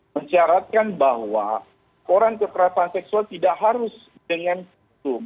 menyaratkan bahwa korban kekerasan seksual tidak harus dengan visum